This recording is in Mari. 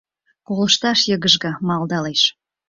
— Колышташ йыгыжге, малдалеш.